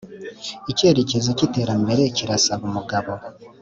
Ikerekezo k’iterambere kirasaba umugabo